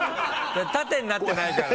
縦になってないからね。